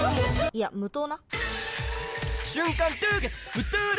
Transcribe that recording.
いや無糖な！